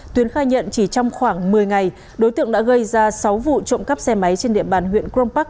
tuyến khai nhận chỉ trong khoảng một mươi ngày đối tượng đã gây ra sáu vụ trộm cắp xe máy trên địa bàn huyện crom park